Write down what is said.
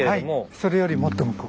それよりもっと向こう。